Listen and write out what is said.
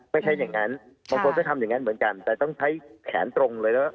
ไม่ใช่อย่างนั้นบางคนก็ทำอย่างนั้นเหมือนกันแต่ต้องใช้แขนตรงเลยแล้ว